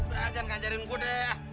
udah aja kan kanjarin gue deh